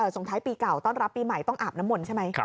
ส่งท้ายปีเก่าต้อนรับปีใหม่ต้องอาบน้ำมนต์ใช่ไหม